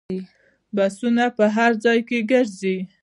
بسونه په هر ځای کې ګرځي.